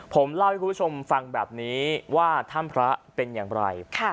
ผมเล่าให้คุณผู้ชมฟังแบบนี้ว่าถ้ำพระเป็นอย่างไร